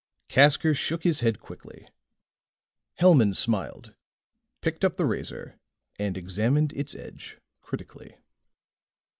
Casker shook his head quickly. Hellman smiled, picked up the razor and examined its edge critically.